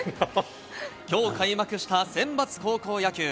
きょう開幕したセンバツ高校野球。